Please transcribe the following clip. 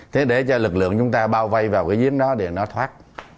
thế để cho lực lượng chúng ta bao vây vào cái giếng đó để nó thoát